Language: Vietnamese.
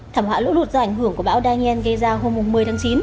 thảm họa lũ lụt do ảnh hưởng của bão daniel gây ra hôm một mươi tháng chín